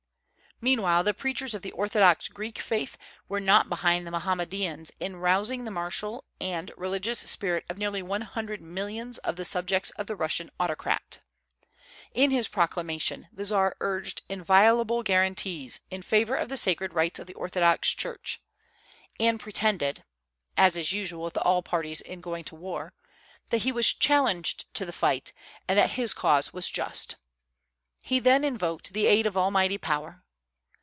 Meanwhile the preachers of the Orthodox Greek faith were not behind the Mohammedans in rousing the martial and religious spirit of nearly one hundred millions of the subjects of the Russian autocrat. In his proclamation the Czar urged inviolable guaranties in favor of the sacred rights of the Orthodox Church, and pretended (as is usual with all parties in going to war) that he was challenged to the fight, and that his cause was just. He then invoked the aid of Almighty Power.